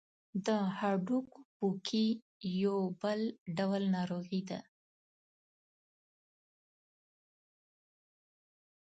د هډوکو پوکی یو بل ډول ناروغي ده.